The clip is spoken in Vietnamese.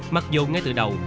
mặc dù ngay từ đầu